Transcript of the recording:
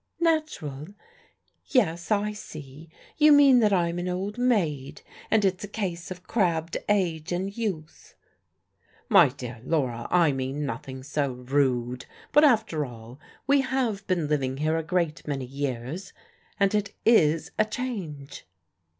"Natural? Yes, I see: you mean that I'm an old maid, and it's a case of crabbed age and youth." "My dear Laura, I mean nothing so rude. But, after all, we have been living here a great many years and it is a change."